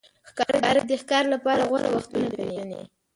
ښکاري د ښکار لپاره غوره وختونه پېژني.